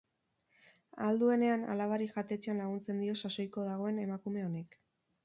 Ahal duenean alabari jatetxean laguntzen dio sasoiko dagoen emakume honek.